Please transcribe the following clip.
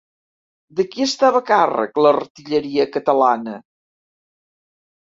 De qui estava a càrrec l'artilleria catalana?